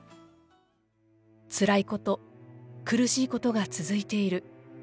つらいこと、苦しいことが続いている。